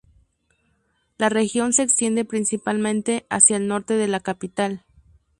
La región se extiende principalmente hacia el norte de la capital.